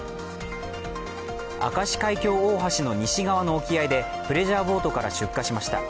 明石海峡大橋の西側の沖合でプレジャーボートから出火しました。